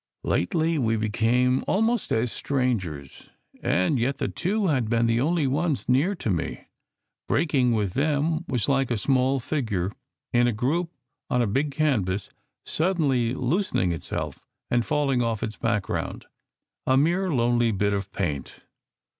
Lately we became almost as strangers; and yet the two had been the only ones near to me. Break ing with them was like a small figure in a group on a big canvas suddenly loosening itself and falling off its back ground, a mere lonely bit of paint.